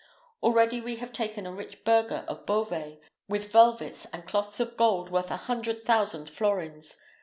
Already we have taken a rich burgher of Beauvais, with velvets and cloths of gold worth a hundred thousand florins.